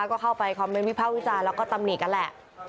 ก็เข้าไปคอมเมนต์วิภาควิจารณ์แล้วก็ตำหนิกันแหละ